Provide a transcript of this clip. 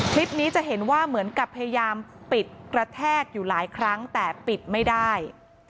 คลิปนี้จะเห็นว่าเหมือนกับพยายามปิดกระแทกอยู่หลายครั้งแต่ปิดไม่ได้